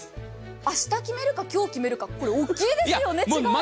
明日決めるか今日決めるか、大きいですよね。